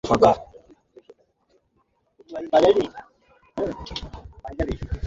দেখো এটা আমার চেহারার সাথে মিল নেই।